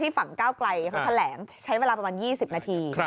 ฝั่งก้าวไกลเขาแถลงใช้เวลาประมาณ๒๐นาที